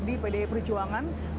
di pdi perjuangan